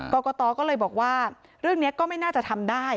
กรกตก็เลยบอกว่าเรื่องนี้ก็ไม่น่าจะทำได้